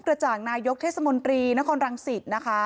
กระจ่างนายกเทศมนตรีนครรังสิทธิ์